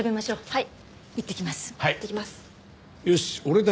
はい。